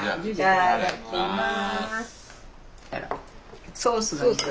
いただきます！